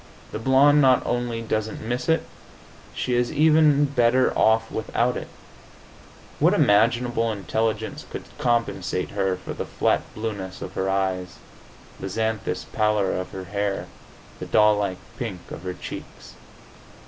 The blonde not only doesn't miss it; she is even better off without it. What imaginable intelligence could compensate her for the flat blueness of her eyes, the xanthous pallor of her hair, the doll like pink of her cheeks?